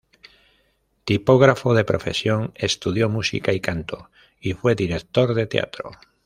Tipógrafo de profesión, estudió música y canto y fue director de teatro.